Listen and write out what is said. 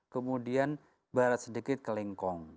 kemudian barat sedikit ke lengkong